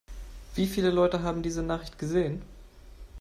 Wie viele Leute haben diese Nachricht gesehen?